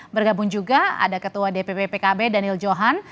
bergabung juga ada ketua dpp pkb daniel johan